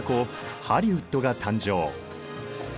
ハリウッドが誕生。